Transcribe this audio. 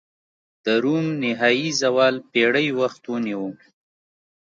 د روم نهايي زوال پېړۍ وخت ونیوه.